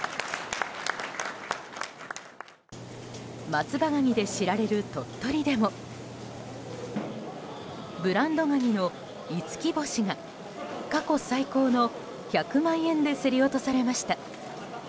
松葉ガニで知られる鳥取でもブランドガニの五輝星が過去最高の１００万円で競り落とされました。